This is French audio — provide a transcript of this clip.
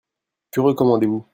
Que recommandez-vous ?